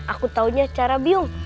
aku taunya cara biong